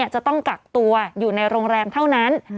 จะต้องกักตัวอยู่ในโรงแรมเท่านั้น